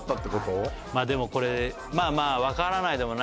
はいでもこれまあまあ分からないでもないね